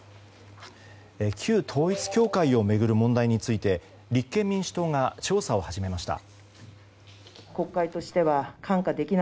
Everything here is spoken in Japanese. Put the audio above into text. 旧統一教会を巡る問題について立憲民主党が調査を始めました。